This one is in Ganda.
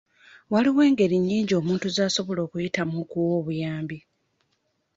Waliwo engeri nnyingi omuntu zasobola okuyitamu okuwa obuyambi.